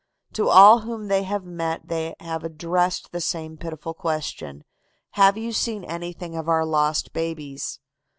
To all whom they have met they have addressed the same pitiful question: 'Have you seen anything of our lost babies?